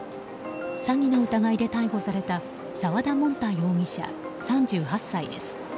詐欺の疑いで逮捕された沢田聞多容疑者、３８歳です。